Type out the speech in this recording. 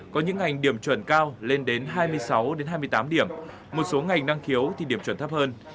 có những ngành điểm chuẩn cao lên đến hai mươi sáu hai mươi tám điểm một số ngành năng khiếu thì điểm chuẩn thấp hơn